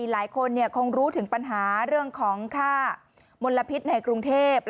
หลายคนคงรู้ถึงปัญหาเรื่องของค่ามลพิษในกรุงเทพ